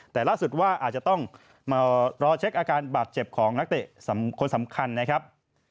แต่ล่าสุดว่าอาจจะต้องมารอเช็คอาการบาดเจ็บของนักเตะคนสำคัญนะครับ